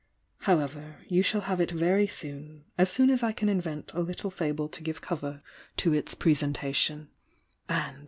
However, you shall have it very soon — as soon as I can invent a little fable to give cover 18 I n Ml.